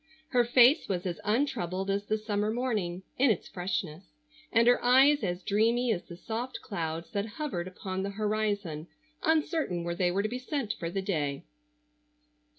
Her face was as untroubled as the summer morning, in its freshness, and her eyes as dreamy as the soft clouds that hovered upon the horizon uncertain where they were to be sent for the day.